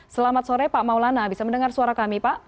selamat sore pak maulana bisa mendengar suara kami pak